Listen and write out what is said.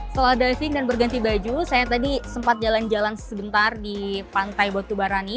setelah diving dan berganti baju saya tadi sempat jalan jalan sebentar di pantai batubarani